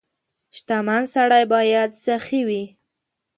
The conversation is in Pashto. • شتمن سړی باید سخي وي.